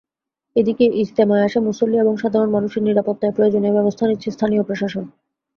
এদিকে ইজতেমায় আসা মুসল্লি এবং সাধারণ মানুষের নিরাপত্তায় প্রয়োজনীয় ব্যবস্থা নিচ্ছে স্থানীয় প্রশাসন।